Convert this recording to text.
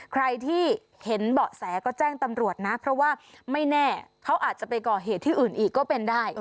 ใครที่เห็นเบาะแสก็แจ้งตำรวจนะเพราะว่าไม่แน่เขาอาจจะไปก่อเหตุที่อื่นอีกก็เป็นได้